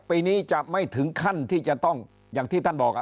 ปีนี้จะไม่ถึงขั้นที่จะต้องอย่างที่ท่านบอก